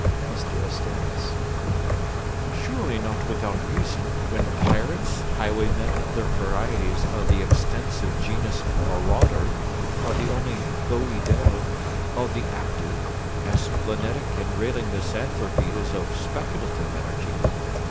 MR ASTERIAS Surely not without reason, when pirates, highwaymen, and other varieties of the extensive genus Marauder, are the only beau idéal of the active, as splenetic and railing misanthropy is of the speculative energy.